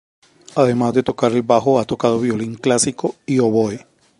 Además de tocar el bajo ha tocado violín clásico y oboe.